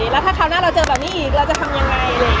แล้วถ้าคราวหน้าเราเจอแบบนี้อีกเราจะทำยังไง